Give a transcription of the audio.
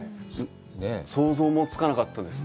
想像もつかなかったですね。